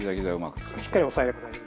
しっかり押さえれば大丈夫ですよ。